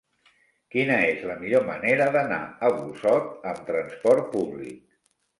Quina és la millor manera d'anar a Busot amb transport públic?